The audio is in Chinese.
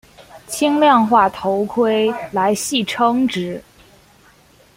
轻量化头盔来戏称之。